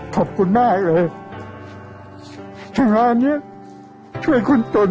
ขอบคุณมากเลยถ้างานเนี้ยช่วยคนจน